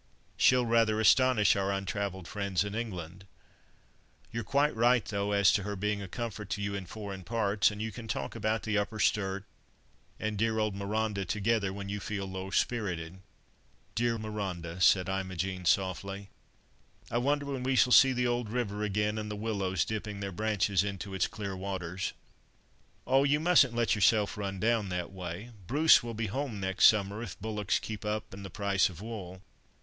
She'll rather astonish our untravelled friends in England. You're quite right, though, as to her being a comfort to you in foreign parts, and you can talk about the Upper Sturt, and dear old Marondah together, when you feel low spirited." "Dear Marondah!" said Imogen, softly; "I wonder when we shall see the old river again, and the willows, dipping their branches into its clear waters." "Oh! you mustn't let yourself run down, that way. Bruce will be home next summer, if bullocks keep up and the price of wool.